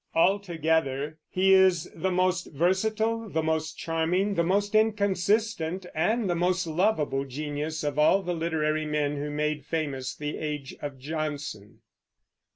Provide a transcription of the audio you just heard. Altogether he is the most versatile, the most charming, the most inconsistent, and the most lovable genius of all the literary men who made famous the age of Johnson.